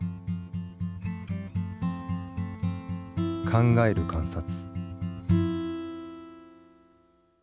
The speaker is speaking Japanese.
「考える観察」。